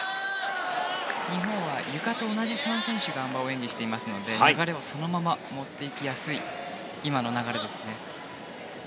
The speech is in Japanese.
日本はゆかと同じ３選手があん馬を演技していますので流れをそのまま持っていきやすいですね。